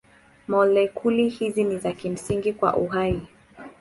Molekuli hizi ni za kimsingi kwa uhai.